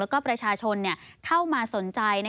แล้วก็ประชาชนเข้ามาสนใจ